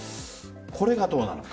これがどうなのか。